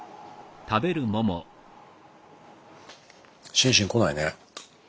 シンシン来ないね。